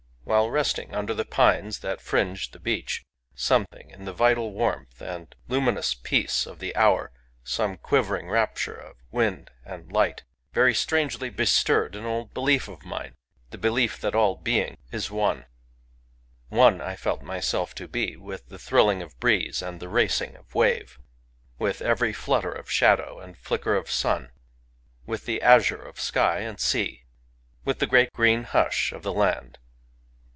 While resting under the pines that fringed the beach, something in the vital warmth and lu minous peace of the hour — some quivering rap ture of wind and light — very strangely bestirred an old belief of mine : the belief that all being i8i Digitized by Googk 1 82 GAKI is One. One I felt myself to be with the thrilling of breeze and the racing of wave, — with every flut ter of shadow and flicker of sun, — with the azure of sky and sea, — with the great green hush of the land.